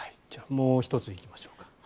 もう１つ行きましょうか。